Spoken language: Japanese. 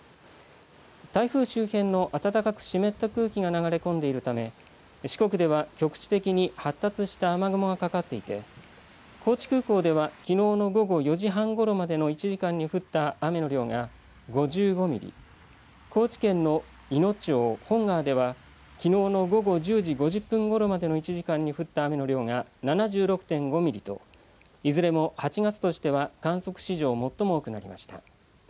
台風周辺の暖かく湿った空気が流れ込んでいるため四国では局地的に発達した雨雲がかかっていて高知空港ではきのうの午後４時半ごろまでの１時間に降った雨の量が５５ミリ高知県のいの町本川ではきのうの午後１０時５０分ごろまでの１時間に降った雨の量が７６．５ミリといずれも８月としては観測史上最も多くなりました。